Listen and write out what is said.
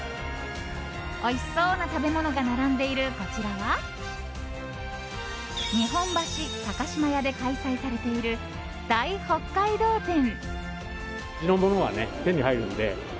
おいしそうな食べ物が並んでいるこちらは日本橋高島屋で開催されている大北海道展。